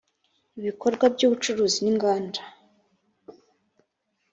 ibikorwa by ubucuruzi n ingamba